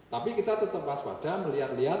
tapi kita tetap waspada melihat lihat